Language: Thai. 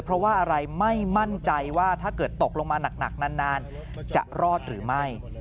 เพราะว่าอะไรไม่มั่นใจว่าถ้าเกิดตกลงมาหนักนานจะรอดหรือไม่